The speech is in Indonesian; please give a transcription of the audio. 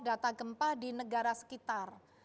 data gempa di negara sekitar